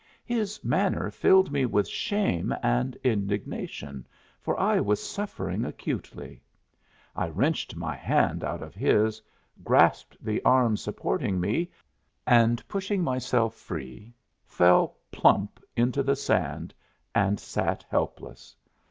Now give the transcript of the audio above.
His manner filled me with shame and indignation, for I was suffering acutely. I wrenched my hand out of his, grasped the arm supporting me and pushing myself free, fell plump into the sand and sat helpless.